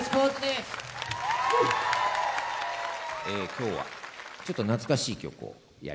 今日はちょっと懐かしい曲をやります。